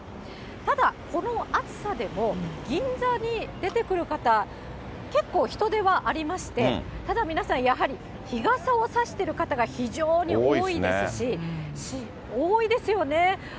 ただ、この暑さでも、銀座に出てくる方、結構人出はありまして、ただ皆さん、やはり日傘を差してる方が非常に多いですし、多いですよね。